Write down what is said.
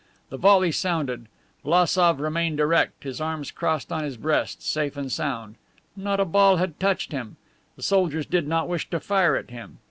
The volley sounded. Vlassof remained erect, his arms crossed on his breast, safe and sound. Not a ball had touched him. The soldiers did not wish to fire at him.